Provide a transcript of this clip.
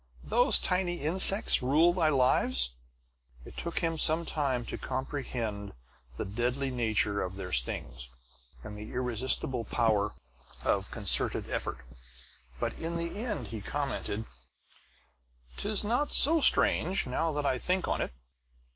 Those tiny insects rule thy lives!" It took him some time to comprehend the deadly nature of their stings, and the irresistible power of concerted effort; but in the end he commented: "'Tis not so strange, now that I think on it.